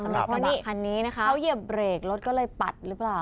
เพราะว่าพอเขาเหยียบเบรกรถก็เลยปัด